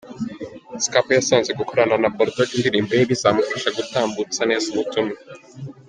Skpado yasanze gukorana na BullDogg indirimbo ye bizamufasha gutambutsa neza ubutumwa.